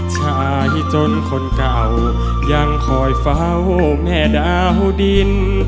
ชายจนคนเก่ายังคอยเฝ้าแม่ดาวดิน